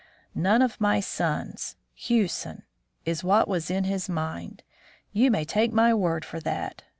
'None of my sons. Hewson' is what was in his mind; you may take my word for that.